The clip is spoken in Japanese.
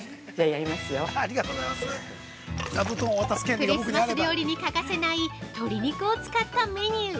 ◆クリスマス料理に欠かせない鶏肉を使ったメニュー。